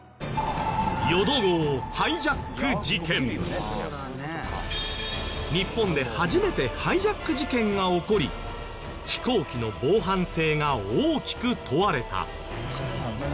だから日本で初めてハイジャック事件が起こり飛行機の防犯性が大きく問われた。